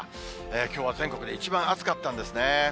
きょうは全国で一番暑かったんですね。